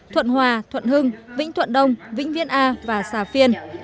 thuận hòa thuận hưng vĩnh thuận đông vĩnh viễn a và xà phiên